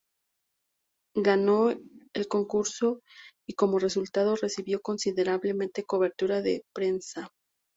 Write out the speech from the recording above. Ganó el concurso y como resultado, recibió considerable cobertura de prensa.